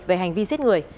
về hành vi giết người